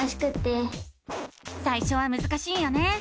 さいしょはむずかしいよね！